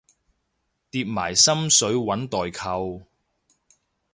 疊埋心水搵代購